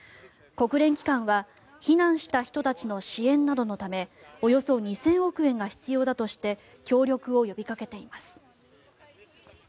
国連機関は避難した人たちの支援などのためおよそ２０００億円が必要だとして協力を呼びかけています。